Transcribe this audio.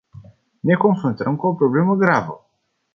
Ne confruntăm cu o problemă gravă.